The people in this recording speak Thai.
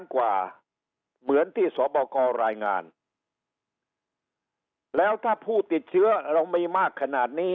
เหมือนที่สบกรรายงานแล้วถ้าผู้ติดเชื้อเรามีมากขนาดนี้